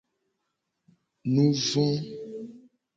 Nuvo.